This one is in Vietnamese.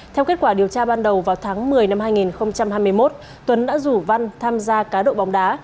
theo kết quả điều tra ban đầu vào tháng một mươi năm hai nghìn hai mươi một tuấn đã rủ văn tham gia cá độ bóng đá